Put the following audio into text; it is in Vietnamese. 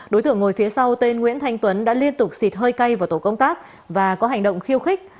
đối tượng ngồi phía sau tên nguyễn thanh tuấn đã liên tục xịt hơi cay vào tổ công tác và có hành động khiêu khích